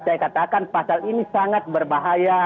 saya katakan pasal ini sangat berbahaya